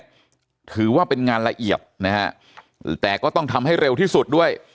ถือว่าเป็นงานละเอียดนะฮะแต่ก็ต้องทำให้เร็วที่สุดด้วย